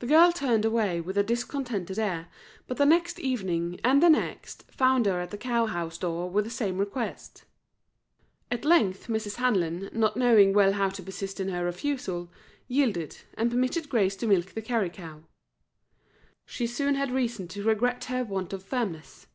The girl turned away with a discontented air; but the next evening, and the next, found her at the cow house door with the same request. At length Mrs. Hanlon, not knowing well how to persist in her refusal, yielded, and permitted Grace to milk the Kerry cow. She soon had reason to regret her want of firmness.